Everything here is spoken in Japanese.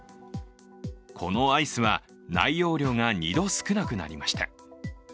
このアイスは、内容量が２度少なくなりました。